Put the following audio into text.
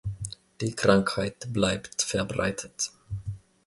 Die Krankheit bleibt verbreitet.